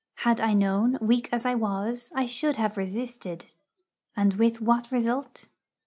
Had I known, weak as I was, I should have resisted; and with what result?